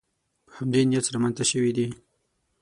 په همدې نیت رامنځته شوې دي